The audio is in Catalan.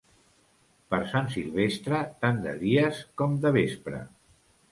Per Sant Silvestre, tant de dies com de vespre.